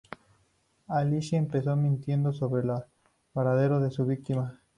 Alyssa empezó mintiendo sobre el paradero de su víctima.